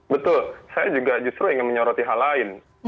betul saya juga justru ingin menyoroti hal lain